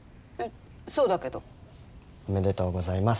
そうだけど。おめでとうございます。